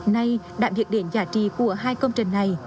nay đạm việc điện giá trị của hai công trình này